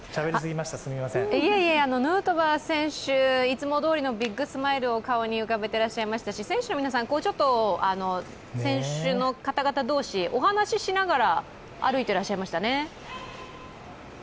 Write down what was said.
ヌートバー選手、いつもどおりのビッグスマイルを顔に浮かべていらっしゃいましたし選手の皆さん、選手の方々同士、お話ししながら歩いてらっしゃいましたね。